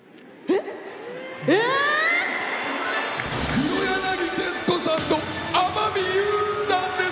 黒柳徹子さんと天海祐希さんです！